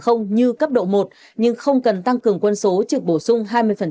không như cấp độ một nhưng không cần tăng cường quân số trực bổ sung hai mươi